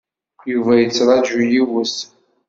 Yuba yettṛaju yiwet.